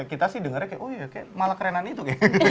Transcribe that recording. kita sih dengarnya kayak oh iya kayak malah kerenan itu kayak